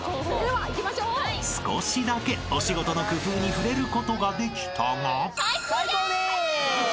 ［少しだけお仕事の工夫に触れることができたが］